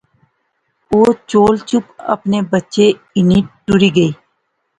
او چول چپ اپنے بچے ہنی ٹری گئی